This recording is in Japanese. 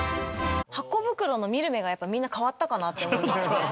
ハコ袋の見る目がやっぱみんな変わったかなって思いますね。